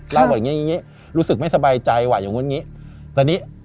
เล่าแบบนี้รู้สึกไม่สบายใจอย่างนู้นนี้